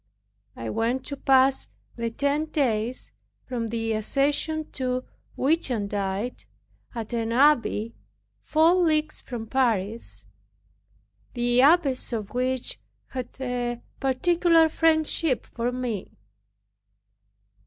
I went to pass the ten days, from the Ascension to Whitsuntide, at an abbey four leagues from Paris, the abbess of which had a particular friendship for me.